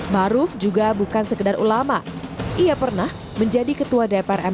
terkait pencolonan dirinya menjadi cawa pres